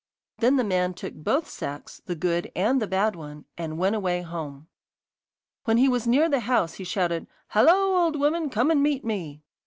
Then the man took both sacks, the good and the bad one, and went away home. When he was near the house he shouted: 'Hallo, old woman, come and meet me!